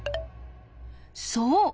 そう！